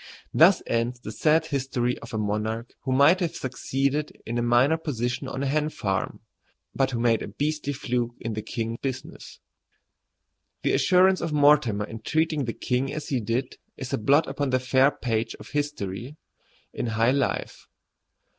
Thus ends the sad history of a monarch who might have succeeded in a minor position on a hen farm, but who made a beastly fluke in the king business. The assurance of Mortimer in treating the king as he did is a blot upon the fair page of history in high life.